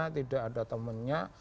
tidak ada temennya